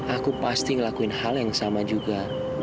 aku pasti ngelakuin hal yang sama juga